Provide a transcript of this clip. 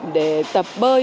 để tập bơi